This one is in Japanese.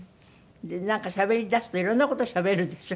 なんかしゃべりだすといろんな事しゃべるでしょ？